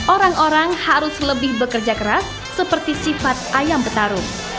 orang orang harus lebih bekerja keras seperti sifat ayam petarung